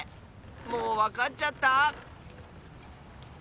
もうわかっちゃった？